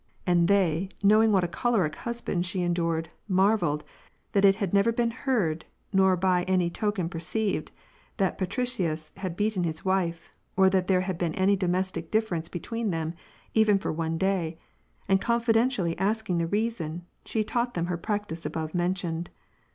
And when they, knowing what a choleric husband she en dured, marvelled, that it had never been heard, nor by any token perceived, that Patricius had beaten his wife, or that there had been any domestic difference between them, even for one day, and confidentially asking the reason, she taught them her practice above mentioned.